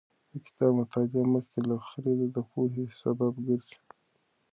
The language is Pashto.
د کتاب مطالعه مخکې له خرید د پوهې سبب ګرځي.